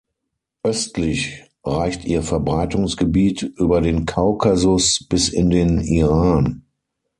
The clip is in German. Östlich reicht ihr Verbreitungsgebiet über den Kaukasus bis in den Iran.